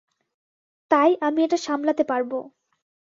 তাই আমি এটা সামলাতে পারবো।